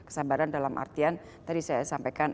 kesabaran dalam artian tadi saya sampaikan